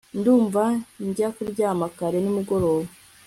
Ndumva njya kuryama kare nimugoroba